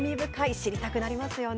知りたくなりますね。